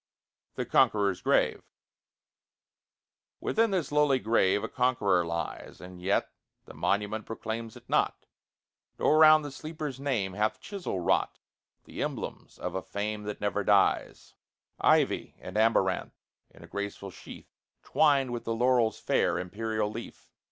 THE CONQUEROR'S GRAVE Within this lowly grave a Conqueror lies, And yet the monument proclaims it not, Nor round the sleeper's name hath chisel wrought The emblems of a fame that never dies, Ivy and amaranth, in a graceful sheaf, Twined with the laurel's fair, imperial leaf.